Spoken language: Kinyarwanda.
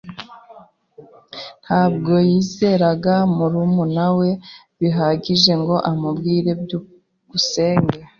Ntabwo yizeraga murumuna we bihagije ngo amubwire. byukusenge